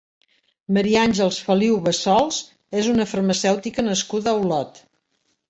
Maria Àngels Feliu Bassols és una farmacèutica nascuda a Olot.